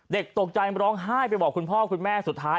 เด็กตกใจร้องไห้ไปบอกคุณพ่อคุณแม่สุดท้าย